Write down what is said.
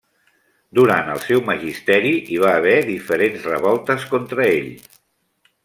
Durant el seu magisteri hi va haver diferents revoltes contra ell.